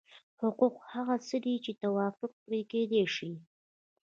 حقوق هغه څه دي چې توافق پرې کېدای شي.